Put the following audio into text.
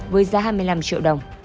với giá hai mươi năm triệu đồng